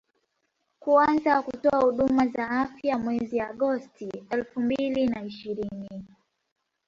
kuanza kutoa huduma za afya mwezi agosti elfu mbili na ishirini